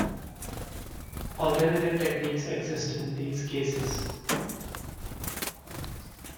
Alternative techniques exist in these cases.